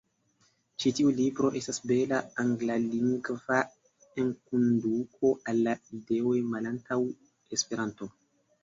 Ĉi tiu libro estas bela anglalingva enkonduko al la ideoj malantaŭ Esperanto.